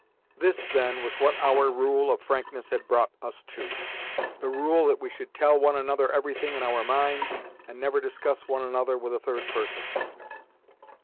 This, then, was what our rule of frankness had brought us to the rule that we should "tell one another everything in our minds, and never discuss one another with a third person!"